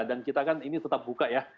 dan kita kan ini tetap buka ya